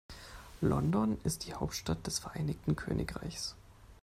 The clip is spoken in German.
London ist die Hauptstadt des Vereinigten Königreichs.